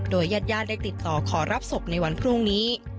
ญาติญาติได้ติดต่อขอรับศพในวันพรุ่งนี้